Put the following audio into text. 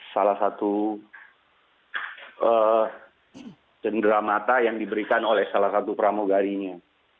salah satu jendera mata yang diberikan oleh salah satu pramugari nya